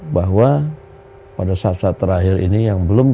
bahwa pada saat saat terakhir ini yang belum